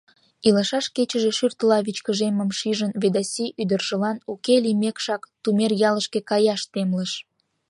Илышаш кечыже шӱртыла вичкыжеммым шижын, Ведаси ӱдыржылан, уке лиймекшак, Тумеръялышке каяш темлыш.